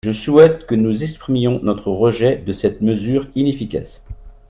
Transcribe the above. Je souhaite que nous exprimions notre rejet de cette mesure inefficace